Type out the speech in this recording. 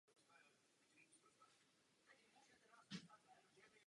Což dokazují nálezy v archeologickém nalezišti Hrádok.